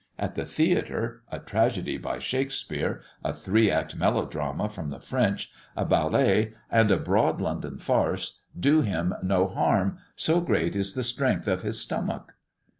At the theatre, a tragedy by Shakespeare, a three act melodrama from the French, a ballet, and a broad London farce, do him no harm, so great is the strength of his stomach."